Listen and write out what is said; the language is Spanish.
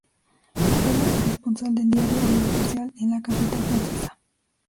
Fue la corresponsal del diario "El Imparcial" en la capital francesa.